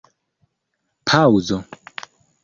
paŭzo